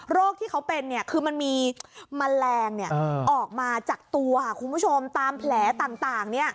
โรคที่เขาเป็นเนี่ยคือมันมีแมลงเนี่ยออกมาจากตัวคุณผู้ชมตามแผลต่างเนี่ย